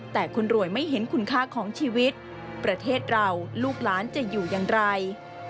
แต่คนรวยไม่เห็นคุณค่าของชีวิตประเทศเราลูกหลานจะอยู่อย่างไร